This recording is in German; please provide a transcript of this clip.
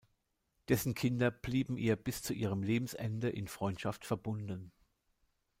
Dessen Kinder blieben ihr bis zu ihrem Lebensende in Freundschaft verbunden.